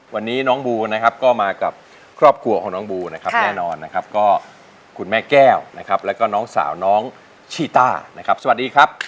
วันนี้น้องบูนะครับก็มากับครอบครัวของน้องบูนะครับแน่นอนนะครับก็คุณแม่แก้วนะครับแล้วก็น้องสาวน้องชีต้านะครับสวัสดีครับ